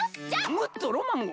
もっとロマンを！